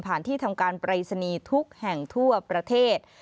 ผ่านที่ทำการปริศนีทุกข์แห่งทั่วประเทศ